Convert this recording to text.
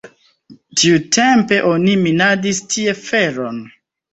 Tiutempe oni minadis tie feron.